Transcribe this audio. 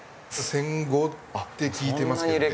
戦後って聞いてますけどね。